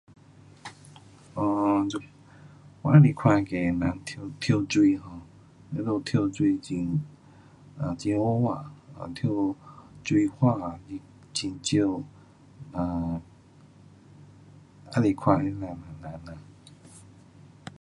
um 这我喜欢看那个人跳，跳水 um 他们跳水很 um 很好看,跳水我也是很少 um 喜欢看他们人啦。